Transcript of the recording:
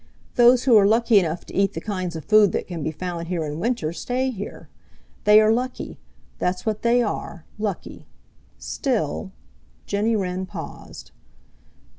Those who are lucky enough to eat the kinds of food that can be found here in winter stay here. They are lucky. That's what they are lucky. Still " Jenny Wren paused.